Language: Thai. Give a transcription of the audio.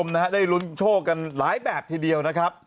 ขอบคุณผู้ชมนะครับได้ลุ้นโชคกันหลายแบบทีเดียวนะครับ